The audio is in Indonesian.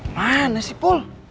mana sih pul